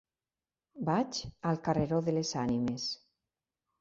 Vaig al carreró de les Ànimes.